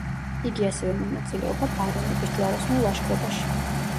იგი ასევე მონაწილეობა ბარონების ჯვაროსნულ ლაშქრობაში.